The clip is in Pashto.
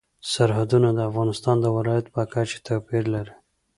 سرحدونه د افغانستان د ولایاتو په کچه توپیر لري.